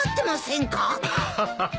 アハハハ。